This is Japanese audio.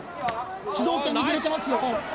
主導権握れてますよ